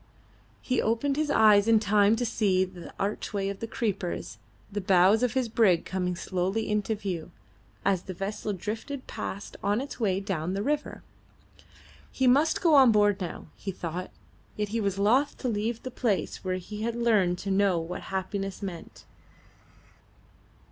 He opened his eyes in time to see through the archway of creepers the bows of his brig come slowly into view, as the vessel drifted past on its way down the river. He must go on board now, he thought; yet he was loth to leave the place where he had learned to know what happiness meant.